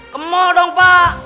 kemol dong pak